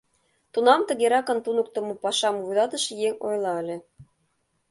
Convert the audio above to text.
Тунам тыгеракын туныктымо пашам вуйлатыше еҥ ойла ыле.